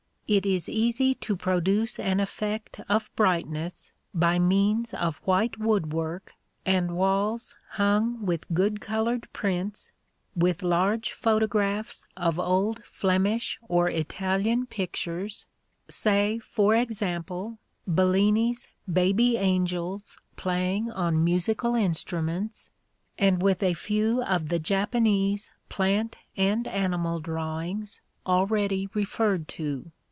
It is easy to produce an effect of brightness by means of white wood work and walls hung with good colored prints, with large photographs of old Flemish or Italian pictures, say, for example, Bellini's baby angels playing on musical instruments, and with a few of the Japanese plant and animal drawings already referred to.